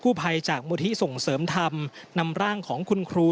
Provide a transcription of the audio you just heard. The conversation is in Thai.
ภัยจากมูลที่ส่งเสริมธรรมนำร่างของคุณครู